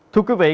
thưa quý vị